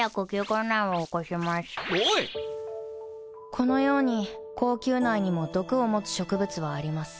このように後宮内にも毒を持つ植物はあります。